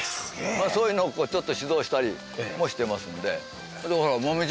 そういうのをちょっと指導したりもしてますんで。